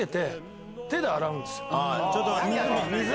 ちょっと！